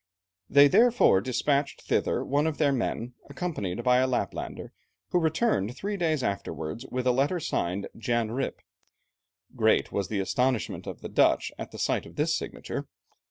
They therefore despatched thither one of their men accompanied by a Laplander, who returned three days afterwards with a letter signed Jan Rijp. Great was the astonishment of the Dutch at the sight of this signature.